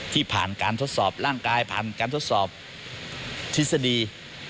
ที่ผ่านการทดสอบร่างกายผ่านการทดสอบทฤษฎี